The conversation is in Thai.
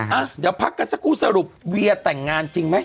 อ่ะเดี๋ยวพักกันสักครู่สรุปเวียแต่งงานจริงไหม